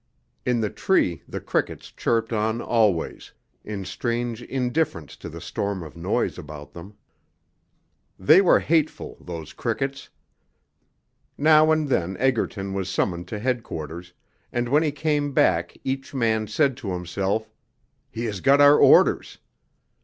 In the tree the crickets chirped on always, in strange indifference to the storm of noise about them. They were hateful, those crickets.... Now and then Egerton was summoned to Headquarters; and when he came back each man said to himself, 'He has got our orders.'